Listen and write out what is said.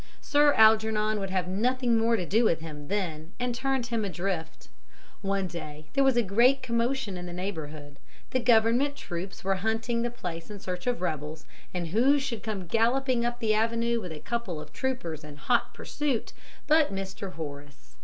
Sir Algernon would have nothing more to do with him then and turned him adrift. One day there was a great commotion in the neighbourhood, the Government troops were hunting the place in search of rebels, and who should come galloping up the avenue with a couple of troopers in hot pursuit but Mr. Horace.